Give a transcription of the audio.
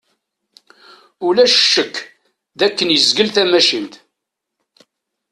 Ulac ccekk d akken yezgel tamacint.